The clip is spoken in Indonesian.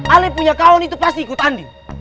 ale punya kawan itu pasti ikut andi